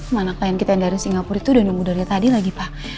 mana klien kita yang dari singapura itu udah nunggu dari tadi lagi pak